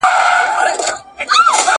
لويي زامې، لویه خېټه پنډ ورنونه